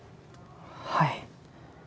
はい。